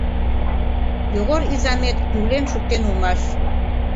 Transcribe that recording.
Йогор изамет юлен шуктен улмаш.